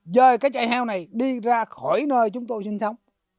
dơi cái chạy heo này đi ra khỏi nơi chúng tôi sinh sống